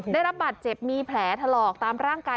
ได้รับบาดเจ็บมีแผลถลอกตามร่างกาย